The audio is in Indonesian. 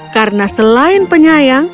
karena selain penyayang